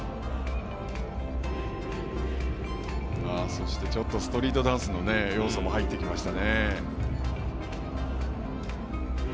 そしてストリートダンスの要素も入ってきました。